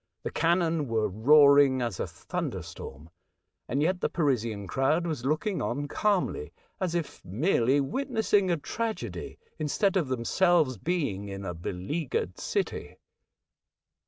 The cannon were roaring as a thunderstorm, and yet the Parisian crowd was looking on calmly, as if merely witnessing a tragedy, instead of themselves being in a beleaguered city.